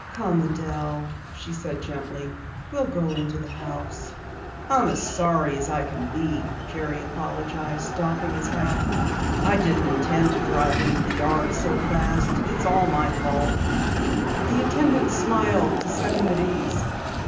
"Come Adelle," she said gently. "We'll go into the house." "I'm as sorry as I can be," Jerry apologized, doffing his hat. "I didn't intend to drive into the yard so fast. It's all my fault." The attendant smiled to set him at ease.